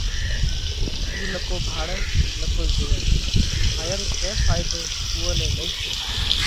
اُو نڪو ڀاۯئہ نڪو زوئہ، هايا رو ڪئين ڦائيڌو اُوئون نئہ نئين ٿئہ۔